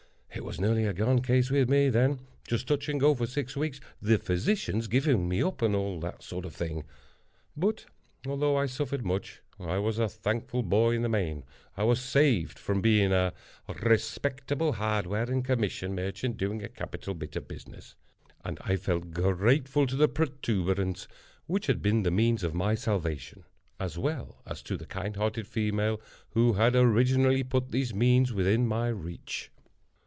It was nearly a gone case with me then—just touch and go for six weeks—the physicians giving me up and all that sort of thing. But, although I suffered much, I was a thankful boy in the main. I was saved from being a "respectable hardware and commission merchant, doing a capital bit of business," and I felt grateful to the protuberance which had been the means of my salvation, as well as to the kindhearted female who had originally put these means within my reach.